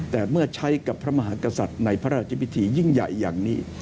แต่เมื่อใช้กับพระมหากษัตริย์ในพระราชพิธียิ่งใหญ่อย่างนี้